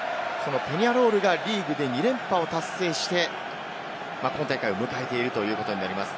ペニャロールがリーグで２連覇を達成して今大会を迎えているということになります。